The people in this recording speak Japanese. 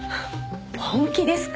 本気ですか？